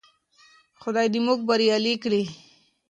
خدای دې موږ بريالي کړي.